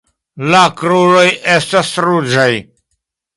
La kruroj estas ruĝaj.